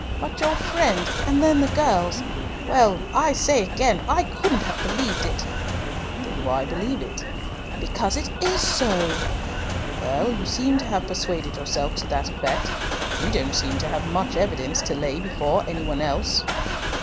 But your friend, and then the girls well, I say again, I couldn't have believed it." "Then why believe it?" "Because it is so." "Well, you seem to have persuaded yourself to that effect. You don't seem to have much evidence to lay before any one else."